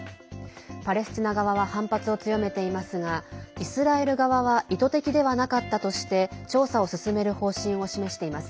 パレスチナ側は反発を強めていますがイスラエル側は意図的ではなかったとして調査を進める方針を示しています。